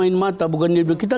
oh bukan bukan dia main mata